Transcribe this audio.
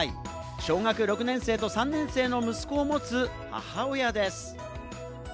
小学６年生と３年生の息子を持つ母親です。